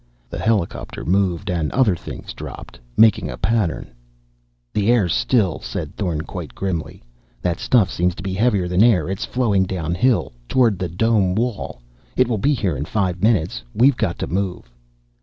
The helicopter moved and other things dropped, making a pattern.... "The air's still," said Thorn quite grimly. "That stuff seems to be heavier than air. It's flowing downhill, toward the dome wall. It will be here in five minutes. We've got to move."